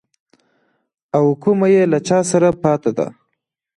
او کومه يې له چا سره پاته ده.